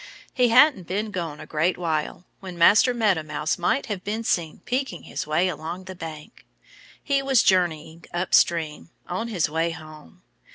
He hadn't been gone a great while when Master Meadow Mouse might have been seen picking his way along the bank. He was journeying upstream, on his way home.